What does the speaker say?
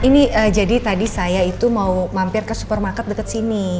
ini jadi tadi saya itu mau mampir ke supermarket dekat sini